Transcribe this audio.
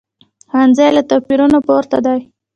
ښوونځی له توپیرونو پورته دی